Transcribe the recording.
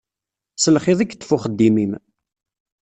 S lxiḍ i yeṭṭef uxeddim-im.